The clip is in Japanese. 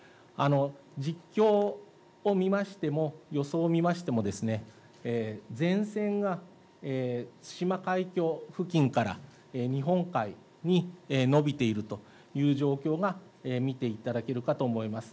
実況を見ましても、予想を見ましても、前線が対馬海峡付近から日本海に延びているという状況が見ていただけるかと思います。